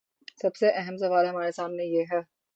سب سے اہم سوال ہمارے سامنے یہ ہے۔